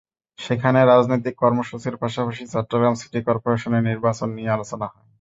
সেখানে রাজনৈতিক কর্মসূচির পাশাপাশি চট্টগ্রাম সিটি করপোরেশন নির্বাচন নিয়ে আলোচনা হয়।